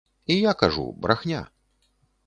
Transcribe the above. І я кажу, брахня.